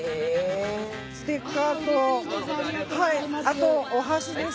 ステッカーとあとお箸です。